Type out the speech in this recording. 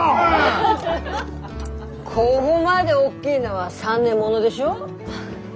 こごまで大きいのは３年ものでしょ？